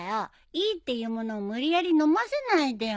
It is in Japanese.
いいっていうものを無理やり飲ませないでよ。